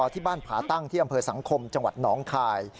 ที่บ้านผาตั้งที่อำเภอสังคมจังหวัดหนองคาย